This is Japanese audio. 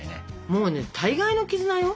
もうね大概の絆よ。